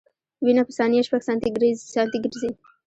وینه په ثانیه شپږ سانتي ګرځي.